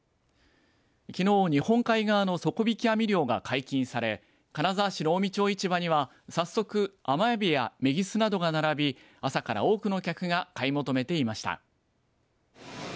きのう日本海側の底引き網漁が解禁され金沢市の近江町市場には早速、甘えびやめぎすなどが並び、朝から多くの客が買い求めていました。